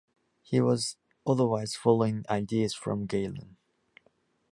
He was otherwise following ideas from Galen.